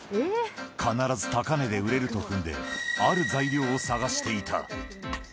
必ず高値で売れると踏んで、ある材料を探していた。